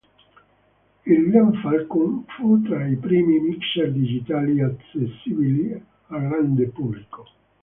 Il Lem Falcon fu tra i primi mixer digitali accessibili al grande pubblico.